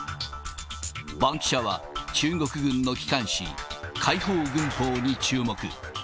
バンキシャは、中国軍の機関紙、解放軍報に注目。